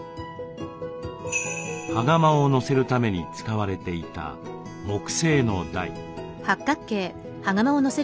羽釜を乗せるために使われていた木製の台。